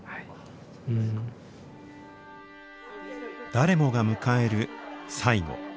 誰もが迎える最期。